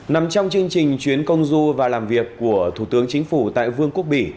nằm trong chương trình chuyến công du và làm việc của thủ tướng chính phủ tại vương quốc bỉ